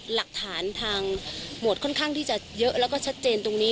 หลักฐานทางหมวดค่อนข้างที่จะเยอะแล้วก็ชัดเจนตรงนี้